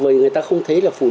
vì người ta không thấy là phụ nữ